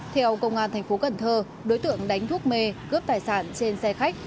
theo công an thành phố cần thơ đối tượng đánh thuốc mê cướp tài sản trên xe khách